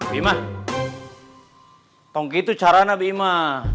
bima tongki itu caranya bima